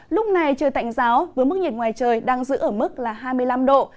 lúc này trời tạnh giáo với mức nhiệt ngoài trời đang giữ ở mức là hai mươi năm độ